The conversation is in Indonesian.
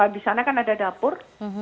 di sana kan ada dapur